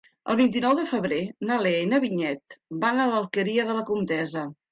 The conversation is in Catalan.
El vint-i-nou de febrer na Lea i na Vinyet van a l'Alqueria de la Comtessa.